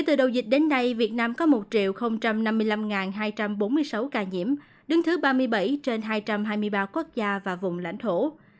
từ đầu dịch đến nay việt nam có một năm mươi năm hai trăm bốn mươi sáu ca nhiễm đứng thứ ba mươi bảy trên hai trăm hai mươi ba quốc gia và vùng lãnh thổ